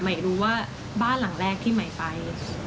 ไม่รู้ว่าบ้านหลังแรกที่ใหม่ไป